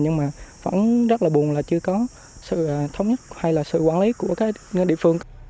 nhưng mà vẫn rất là buồn là chưa có sự thống nhất hay là sự quản lý của các địa phương